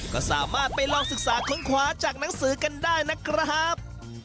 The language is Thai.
ก็สามารถไปลองศึกษาค้นคว้าจากหนังสือกันได้นะครับ